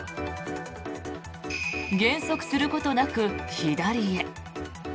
減速することなく左へ。